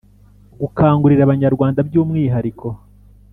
Gukangurira abanyarwanda byumwihariko.